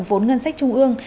vốn ngân sách trung ương